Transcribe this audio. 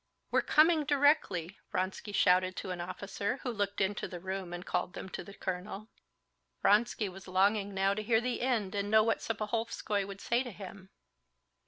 "We're coming directly!" Vronsky shouted to an officer, who looked into the room and called them to the colonel. Vronsky was longing now to hear to the end and know what Serpuhovskey would say to him.